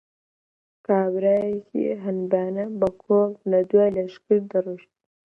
کابرایەکی هەنبانە بە کۆڵ لە دوای لەشکر دەڕۆیشت